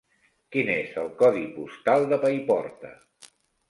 Quin és el codi postal de Paiporta?